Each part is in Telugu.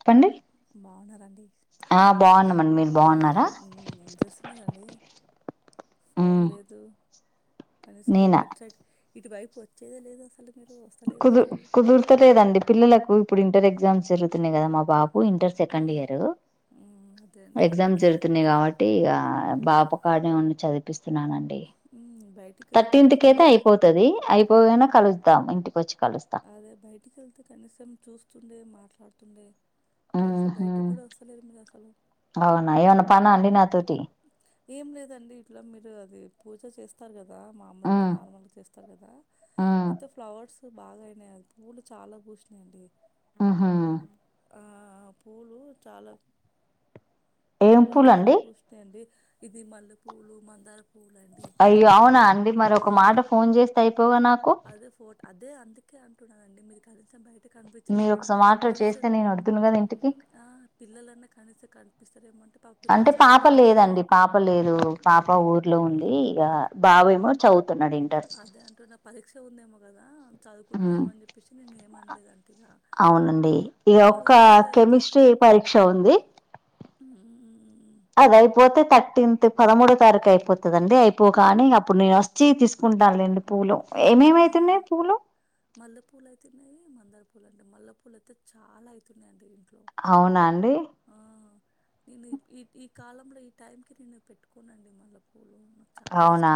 చెప్పండి బాగున్నారండి ఆ బాగున్నామండి మీరు బాగున్నారా మ్మ్ ఏం చేస్తున్నరండి ఫోన్ లేదు కనీసం నేనా ఇటు ఇటువైపు వచ్చేదే లేదు అసలు మీరు వస్తలేరు అసలు కుదురతలేదండి పిల్లలకు ఇప్పుడు ఇంటర్ ఎగ్జామ్స్ జరుగుతున్నాయి కదా మా బాబు ఇంటర్ సెకండ్ ఇయర్ మ్మ్ అదే అండి ఎగ్జామ్స్ జరుగుతున్నాయి కాబట్టి ఇగ పాప కాడ ఉంచి చదిపిస్తున్నానండి మ్మ్ బయటికి థర్టీన్త్ వెళ్తుంటే కి అయితే కనీసం అయిపోతది అయిపోగానే కలుద్దాం ఇంటి అదే బయటికి వెళ్తే కనీసం చూస్తుండే మాట్లాడుతుండే కలిసి ఉహు బయటకి కూడా వస్తలేరు మీరు అసలు అవునా ఏమన్నా పనా అండి నాతోటి ఏం లేదండి ఇట్లా మీరు అది పూజ చేస్తారు కదా ఉ మామూలుగా నార్మల్గా చేస్తారు కదా ఉ అయితే ఫ్లవర్స్ బాగాయినాయి అవి పూలు చాలా పూసినాయండి ఆహా ఆ ఆ పూలు ఏం చాలా పూలండి పూస్తాయండి ఇది మల్లె పూలు మందార పూలు అండి అయ్య అవునా అండి మర ఆ ఒక మాట ఫోన్ చేస్త అయిపోగా నాకు అదే ఫో అదే అందుకే అంటున్నానండి మీరు కనీసం బయట మీరు కనిపించలేరు ఒక సమాటో కనీసం చేస్తే నేను వద్దును కదా ఇంటికి ఆ పిల్లలన్న కనీసం కనిపిపస్తరెమో అంటే పాప లేదండి పాప లేదు పాప ఊర్లో ఉంది ఈగ బావ ఏమో చౌతి అదే అంటే నా పరీక్ష ఉందేమో కదా చదువుకుంటున్నామో అని చెప్పేసి నేను ఏమనలేదు అవునండి ఇ ఒక్క తీరా వచ్చాక కెమిస్ట్రీ పరీక్ష ఉంది ఉమ్, అదా ఐపోతే తట్ టెన్త్ పదమూడో తారీఖు అయిపోతుందండి అయిపోగానీ అప్పుడు నేను వచ్చి తీసుకుంటాన్లెండి పూలు ఏమేమవుతున్నాయి పూలు మల్లె పూలు అయితున్నాయి మందార పూలు అంటే మల్లె పూలు అయితే చాలా అవుతున్నాయిండి అవునా అండి నేను ఈ ఈ కాలంలో ఈ టైంకి నేను పెట్టుకోనండి మల్లెపూలు అవునా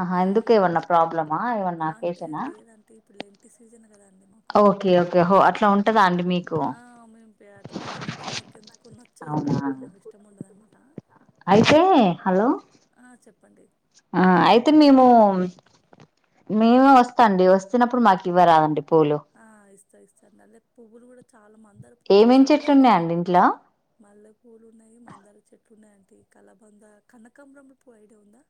ఆహా ఆ ఎందుకు ఏమన్నా ఎట్- ప్రాబ్లమా అంటే ఏమన్నాక్కసానా లేదంటే ఇప్పుడు ఎంటి సీజన్ కదా ఓకే ఓకే హో అట్లా ఉంటదా అండి మీకు ఆ మేము అట్లా అంటే నాకు ఎందుకు నచ్చదు అవునా పెట్టుకోని ఇష్టం ఉండదునమాట అయితే హలో ఆ చెప్పండి ఆ అయితే మేము మేమే వస్తాండి వస్తునప్పుడు మాకు ఇవ్వరాదండి పూలు అే పువులు కూడా చాలా మ మందర కూడా ఏమేం చాలా చెట్లు అయితున్నాయి ఉన్నాయండి ఇంట్లో మల్లె పూలు ఉన్నాయి మందర చెట్లు ఉన్నాయింట అ కాలబందా కనకంబరం పో ఐడి ఉందా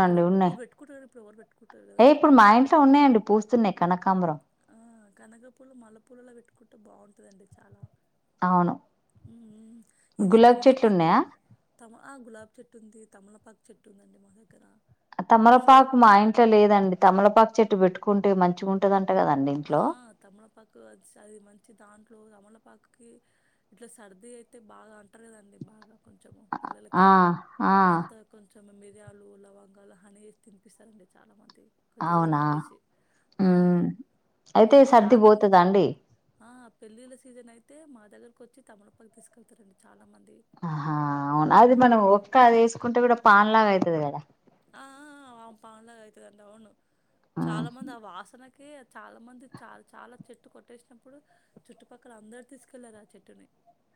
అప్పుడు ఉన్నాయి అప్పుడు పెట్టుకుంటారు ఇప్పుడు ఎవరు పెట్టుకుంటారు ఏ కదా ఇప్పుడు మా ఇంట్లో ఉన్నాయండి పూస్తున్నాయి కనకాంబరం ఆ కనగపూలు మల్ పూలలో పెట్టుకుంటే బాగుంటందండి చాలా అవును మ్మ్ మ్మ్ ఇది గులాబ్ చెట్లు తమలపాకు ఉన్నాయా తమ ఆ గులాబ చెట్టు ఉంది తమలపాకు చెట్టు ఉందండి మా దగ్గర షో తమలపాకు మా ఇంట్లో లేదండి తమలపాకు చెట్టు పెట్టుకుంటే మంచిగా ఉంటదంట కదండి ఆ ఇంట్లో తముళపాకు అది మంచి దాంట్లో తముళ పాక ఇట్లా సర్ది అయితే బాగా అంటారు కదండి బాగా కొంచెము ఆ పిల్లలకి ఆ అంతా కొంచం కొమ మిరియాలు లవంగాలు హనీ తినిపిస్తారండి చాలా మంది కొంచెం ఓమా అవునా వేసి ఆ హమ్ మంచి చాలా మంది ఆ పెళ్ళిళ్ళ సీజన్ అయితే మా దగ్గరకు వచ్చి తమడుప్పకి తీసుకెళ్తారండి చాలా మంది ఆహా అవును అది మనం ఉమ్, ఒక్క అది వేసుకుంటే కూడా పాన్లాగా అవుతుది కదా ఆ ఆ పాంలాగా అయితుందంటడి అవును కదా చాలా మంది ఆ వాసన కె చాలా మంది చాల చాలా చెట్టు కొట్టేసినప్పుడు చుట్టుపక్కల అందరు తీసుకెళ్లారు ఆ చెట్టుని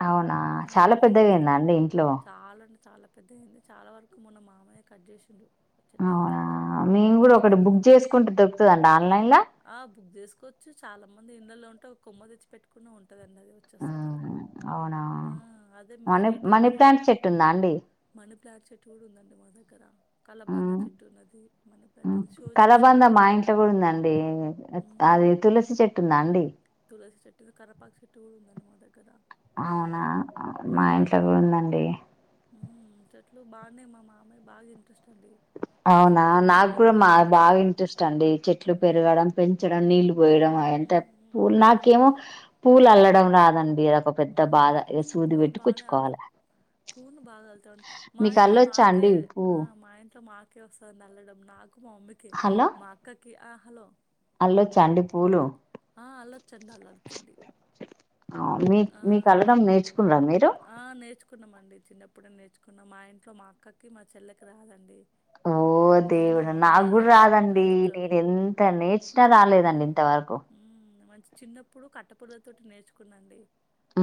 అవునా ఆ చాలా కొమ్మ పెద్దవియిందా అండి ఇంట్లో చాలా అంటే చాలా పెద్ద అయింది చాలా వరకు మొ మామయ్య కట్ చేసి అవునా మేము కూడా ఒకటి చుట్టుపక్కల బుక్ చేసుకుంటే దొరుకుతుందండి ఆన్లైన్ ఆ బుక్ చేసుకోవచ్చు చాలా మంది ఇంలో ఉంటే ఒక కొమ్మ తెచ్చి పెట్కునే ఉంటా అవునా అదే మీ మనీ ఫ్రీ మనీ ప్లాంట్ చెట్టు ఉందా అండి ప్లాడ్ చెట్టు కూడా ఉందండి మా దగ్గర కలబంద హ్మ్. చెట్టు ఉన్నది మనది హ్మ్. షో చెట్స్ కూడా కలబంద మా ఉన్నాయి ఇంట్లో కూడా ఉందండి ఉమ్ అది తులసి చెెట్ందా అడి తులసి చెట్టు ఉ కర్రపాక చెట్టు కూడా ఉందండి మా దగ్గర అవునా మా ఇంట్లో ఉమ్ కూడా ఉందండి ఇట్లో బాగున్నాయి మా మామయి బాగా ఇంట్రెస్ట్ అండి ఈ అవునా చెట్లు మేము నాకు కూడా మా బాగానే బాగా పెంచుతాం ఇంట్రెస్ట్ అండి చెట్లు ఉమ్ పెరగడం పెంచడం నీళ్లు పోయడం ఆయన అంత ఉమ్ ఉమ్ పూల్ నాకేమో పూల్ అల్లడం రాదుండి ఒక పెద్ద ఉమ్, బాధ ఇ సూది పెట్టి కుచ్చుకోవాల పూలు బాగలుతా ఉ మా ఇంట్లో అల్లొచ్చా నాకే అండి పూ ఆ మా ఇంట్లో మాకే కె వస్తంది అల్లడం నాకు మా మమ్మకి హలో మా అక్కకి ఆ హలో అల్లొచ్చా అండి పూలు ఆ అల్లొచ్చండి అల్లొచండి మీకు మీకు అల్లాడం నేర్చుకున్నరా మీరు ఆ నేర్చుకున్నాంమండి చిన్నప్పుడే నేర్చుకున్నాం మా ఇంట్లో మా అక్కకి మా చెల్లెకి రాదండి ఓ నేను దేవుడు మా మమ్మీ నాకు కూడా రాదండి అల్లుతాం నేను ఎంత నేర్చినా రాలేదండి టకు మ్మ్ మంచి చిన్నప్పుడు కట్టపలల తోటి నేర్చుకున్నాండి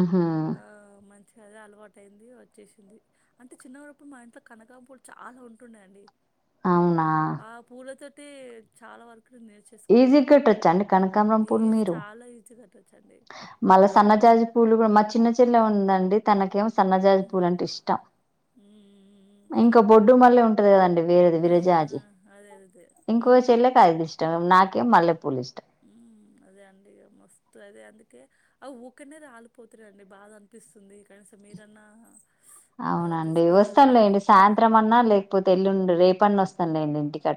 ఉహు ఆ మం చదే అలవాటు అయింది వచ్చేసింది అంటే చిన్నప్పుడప్పుడు మా ఇంట్లో కనకాంపూలు చాలా ఉంటుండయంండి అవునా అయితే చాలా వరకు నేను ఈజీ నేర్చేసుకున్నాం కట్టొచ్చా అండి కనకాంబరం పూలు ఈజీ మీరు చాలా ఈజీ కట్టొచ్చండి మళ్ళా సన్నజాజి పూలు కూడా మా చిన్న చిల్ల ఉందండి తనకేం సన్నజాజ పూల అంటే ఇష్టం మ్మ్. ఇంకా బొడ్డు మళ్ళీ ఉంటది కదండి వేరేది ఆ ఆ విరజాజీ అదే అదే ఇంకో మ్మ్. చెల్లేకదుది ఇష్టం నాకేం మళ్ళీ పులుఇష్టం ఉ అదే అండి మస్తు అదే అందుకే అ ఒకనేరు రాలిపోతున్నాండి బాధ అనిపిస్తుంది కానీ స మీరన్న అవునండి వస్తానులేండి జెప్పేసి సాయంత్రం అన్నా లేకపోతే ఎల్లుండి రేపన్నా వస్తానులేండి ఇంటికట